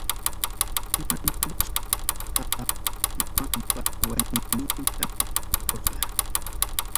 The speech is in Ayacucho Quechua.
Fernandosqa mamanpa wañuynintam rikurqa.